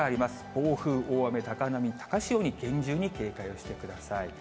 暴風、大雨、高波、高潮に厳重に警戒をしてください。